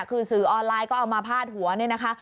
คือสื่อออนไลน์ก็เอามาพาดหัวเนี่ยนะคะ